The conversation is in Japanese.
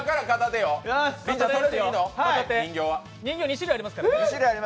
人形は２種類ありますからね。